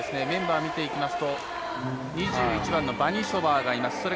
メンバー見ていきますと２１番のバニショバーがいます。